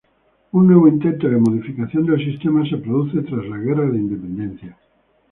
Un nuevo intento, de modificación del sistema se produce tras la Guerra de Independencia.